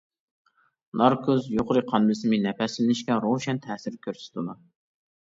ناركوز يۇقىرى قان بېسىمى، نەپەسلىنىشكە روشەن تەسىر كۆرسىتىدۇ.